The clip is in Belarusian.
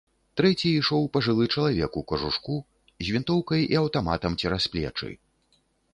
Трэці ішоў пажылы чалавек у кажушку, з вінтоўкай і аўтаматам цераз плечы.